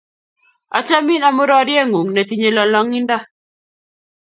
Achamin amu rorye ng'ung' ne tinye lolong'indo